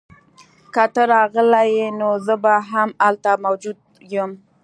که ته راغلې نو زه به هم هلته موجود یم